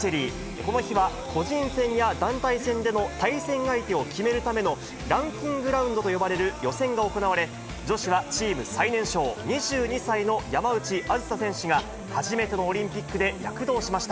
この日は個人戦や団体戦での対戦相手を決めるためのランキングラウンドと呼ばれる予選が行われ、女子はチーム最年少２２歳の山内梓選手が、初めてのオリンピックで躍動しました。